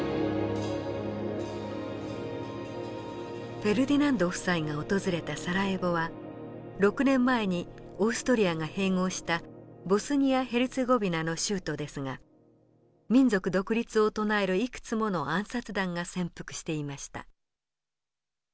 フェルディナンド夫妻が訪れたサラエボは６年前にオーストリアが併合したボスニア・ヘルツェゴビナの州都ですが民族独立を唱えるいくつもの暗殺団が潜伏していました。